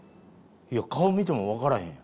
いや顔見ても分からへん。